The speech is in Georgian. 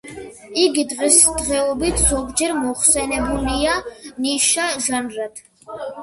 იგი დღესდღეობით ზოგჯერ მოხსენებულია ნიშა ჟანრად.